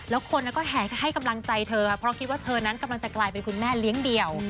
แล้วคนก็แห่ให้กำลังใจเธอค่ะเพราะคิดว่าเธอนั้นกำลังจะกลายเป็นคุณแม่เลี้ยงเดี่ยว